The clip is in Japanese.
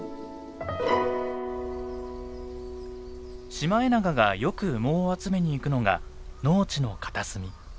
シマエナガがよく羽毛を集めに行くのが農地の片隅。